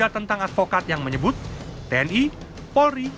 tentang advokat yang menyebut tni polri